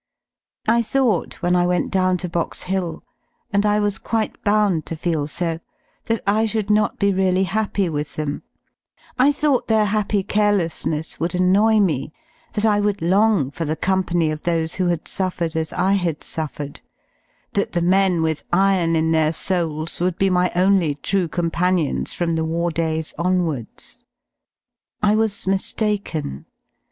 I thought ^> when I went down to Box Hill, and I was quite bound to feel so, that I should not be really happy with them: I thought their happy carelessness would annoy me, that I would long for the company of those who had suffered as I had suffered, that the men with iron in their souls would be my only true companions from the war days onwards. ^ I was mi^aken.